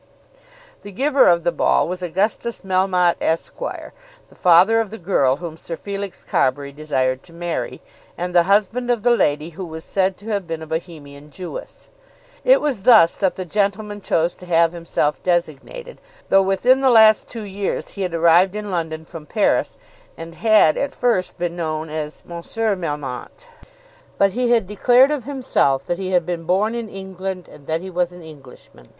The giver of the ball was Augustus Melmotte, Esq., the father of the girl whom Sir Felix Carbury desired to marry, and the husband of the lady who was said to have been a Bohemian Jewess. It was thus that the gentleman chose to have himself designated, though within the last two years he had arrived in London from Paris, and had at first been known as M. Melmotte. But he had declared of himself that he had been born in England, and that he was an Englishman.